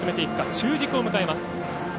中軸を迎えます。